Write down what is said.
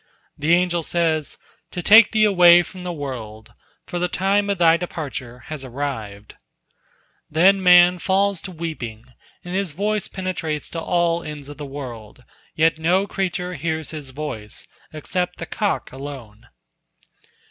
The angel says, "To take thee away from the world, for the time of thy departure has arrived." Then man falls to weeping, and his voice penetrates to all ends of the world, yet no creature hears his voice, except the cock alone.